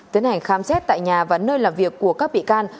tiến hành khám xét tại nhà và nơi làm việc của các bị can